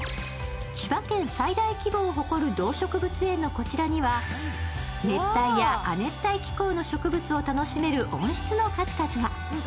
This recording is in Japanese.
千葉県最大規模を誇る動植物園のこちらには熱帯や亜熱帯気候の植物を楽しめる温室の数々が。